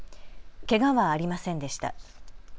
けがはありませんでした。